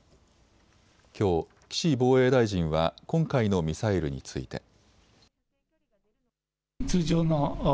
きょう岸防衛大臣は今回のミサイルについて。